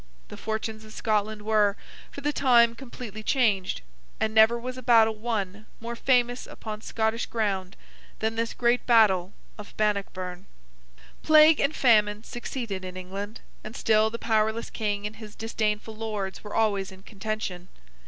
The fortunes of Scotland were, for the time, completely changed; and never was a battle won, more famous upon Scottish ground, than this great battle of Bannockburn. Plague and famine succeeded in England; and still the powerless King and his disdainful Lords were always in contention.